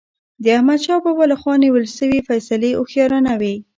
د احمدشاه بابا له خوا نیول سوي فيصلي هوښیارانه وي.